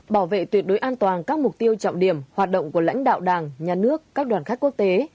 bảo vệ tuyệt đối an toàn các mục tiêu trọng điểm hoạt động của lãnh đạo đảng nhà nước các đoàn khách quốc tế